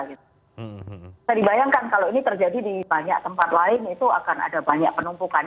bisa dibayangkan kalau ini terjadi di banyak tempat lain itu akan ada banyak penumpukan